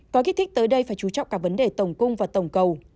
có kích thích tới đây phải chú trọng cả vấn đề tổng cung và tổng cầu